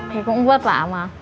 thì cũng vất vả mà